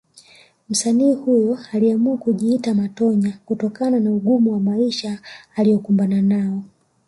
Msanii huyo aliamua kujiita Matonya kutokana na ugumu wa maisha aliokumbana nao